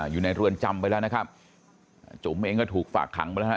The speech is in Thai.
อยู่ในเรือนจำไปแล้วนะครับจุ๋มเองก็ถูกฝากขังไปแล้วฮะ